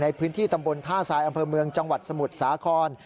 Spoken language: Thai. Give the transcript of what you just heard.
ในพื้นที่ตำบลท่าทรายอำเภอเมืองจังหวัดสมุทรสาคร